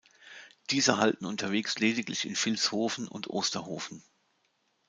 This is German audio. Diese halten unterwegs lediglich in Vilshofen und Osterhofen.